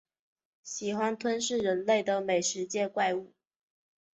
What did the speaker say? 喜欢吞噬人类的美食界怪物。